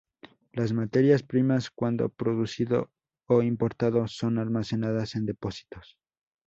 Las materias primas, cuando producido o importado, son almacenadas en depósitos.